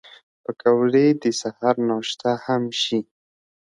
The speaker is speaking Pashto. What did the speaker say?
پکورې د سهر ناشته هم شي